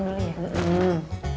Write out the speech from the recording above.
jadi ya kenapa gue bilang